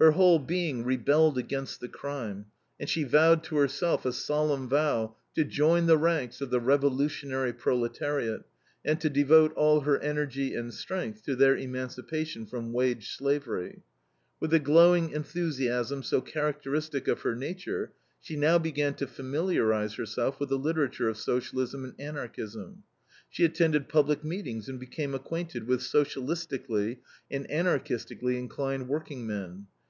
Her whole being rebelled against the crime, and she vowed to herself a solemn vow to join the ranks of the revolutionary proletariat and to devote all her energy and strength to their emancipation from wage slavery. With the glowing enthusiasm so characteristic of her nature, she now began to familiarize herself with the literature of Socialism and Anarchism. She attended public meetings and became acquainted with socialistically and anarchistically inclined workingmen.